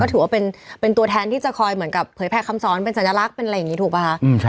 ถือว่าเป็นตัวแทนที่จะคอยเหมือนกับเผยแพร่คำสอนเป็นสัญลักษณ์เป็นอะไรอย่างนี้ถูกป่ะคะ